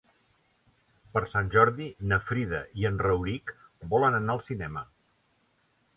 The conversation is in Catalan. Per Sant Jordi na Frida i en Rauric volen anar al cinema.